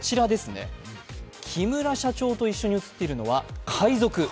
木村社長と一緒に写っているのは、実は海賊。